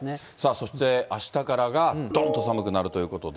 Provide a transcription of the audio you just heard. そしてあしたからが、どんと寒くなるということで。